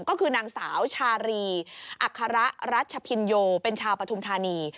ก็คือนางสาวชารีอัคระรัชพินโยเป็นชาวปฐุมธานี